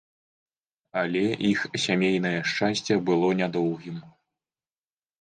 Але іх сямейнае шчасце было нядоўгім.